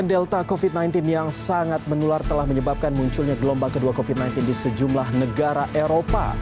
varian delta covid sembilan belas yang sangat menular telah menyebabkan munculnya gelombang kedua covid sembilan belas di sejumlah negara eropa